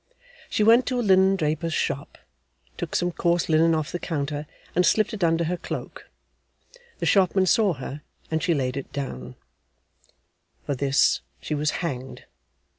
She went to a linen draper's shop, took some coarse linen off the counter, and slipped it under her cloak; the shopman saw her, and she laid it down: for this she was hanged.